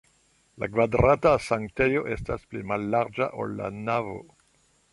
La kvadrata sanktejo estas pli mallarĝa, ol la navo.